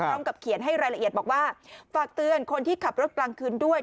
พร้อมกับเขียนให้รายละเอียดบอกว่าฝากเตือนคนที่ขับรถกลางคืนด้วย